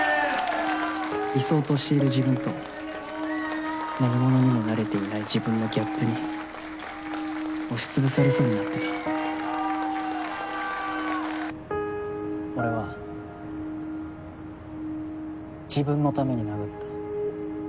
理想としている自分と何者にもなれていない自分のギャップに押しつぶされそうになってた俺は自分のために殴った。